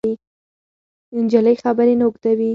نجلۍ خبرې نه اوږدوي.